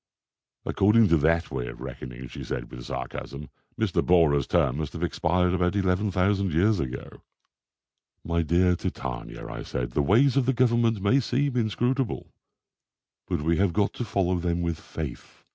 "According to that way of reckoning," she said with sarcasm, "Mr. Borah's term must have expired about 11,000 years ago." "My dear Titania," I said, "the ways of the Government may seem inscrutable, but we have got to follow them with faith.